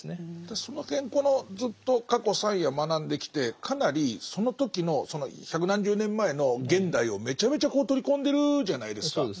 その辺このずっと過去３夜学んできてかなりその時のその百何十年前の現代をめちゃめちゃ取り込んでるじゃないですか。